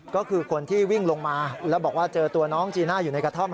ก็คือคนที่วิ่งลงมาแล้วบอกว่าเจอตัวน้องจีน่าอยู่ในกระท่อม